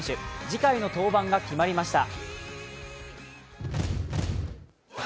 次回の登板が決まりました。